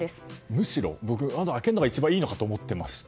むしろ、僕は窓を開けるのが一番にいと思っていました。